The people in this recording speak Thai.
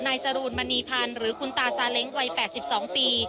จรูนมณีพันธ์หรือคุณตาซาเล้งวัย๘๒ปี